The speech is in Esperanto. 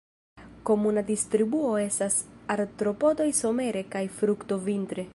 Komuna distribuo estas artropodoj somere kaj frukto vintre.